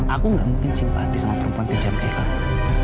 aku gak mungkin simpati sama perempuan kejam kayak kamu